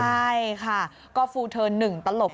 ใช่ค่ะก็ฟูเทิร์น๑ตลบ